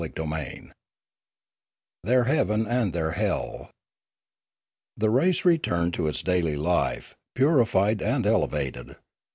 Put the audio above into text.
CHAPTER XVI THEIR HEAVEN AND THEIR HELL THE race returned to its daily life, purified and elevated.